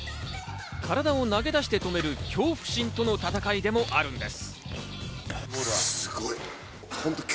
体を投げ出して止める恐怖心との戦いでもあるんです。